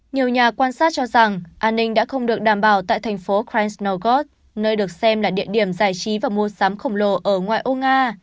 nhiều nhà quan sát cho rằng an ninh đã không được đảm bảo tại thành phố cransnogot nơi được xem là địa điểm giải trí và mua sắm khổng lồ ở ngoại ô nga